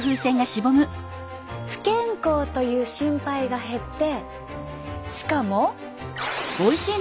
不健康という心配が減ってしかも。